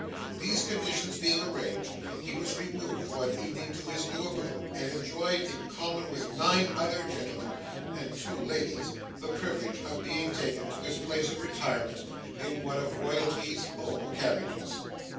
These conditions being arranged, he was removed one evening to his new abode, and enjoyed, in common with nine other gentlemen, and two ladies, the privilege of being taken to his place of retirement in one of Royalty's own carriages.